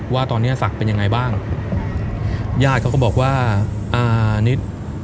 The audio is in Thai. ว่าตอนเนี้ยศักดิ์เป็นยังไงบ้างญาติเขาก็บอกว่าอ่านิด